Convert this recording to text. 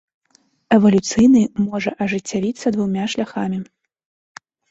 Эвалюцыйны можа ажыццявіцца двума шляхамі.